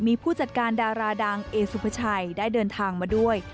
มีผู้จัดการดาราดังเอสุภาชัยได้เดินทางมาด้วย